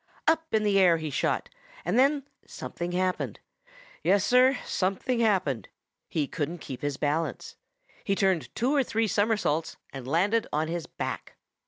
Up in the air he shot, and then something happened. Yes, Sir, something happened. He couldn't kept his balance. He turned two or three somersaults and landed on his back.